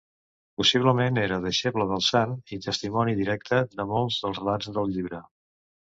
Possiblement era deixeble del sant i testimoni directe de molts dels relats del llibre.